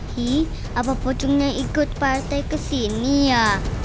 hih apa pojungnya ikut partai kesini ya